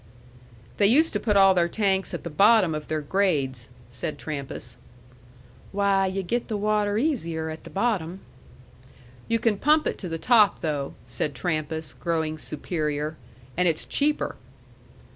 "They used to put all their tanks at the bottom of their grades," said Trampas. "Why, yu' get the water easier at the bottom." "You can pump it to the top, though," said Trampas, growing superior. "And it's cheaper."